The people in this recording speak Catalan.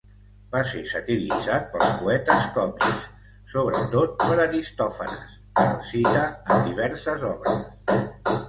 Va ser satiritzat pels poetes còmics, sobretot per Aristòfanes, que el cita en diverses obres.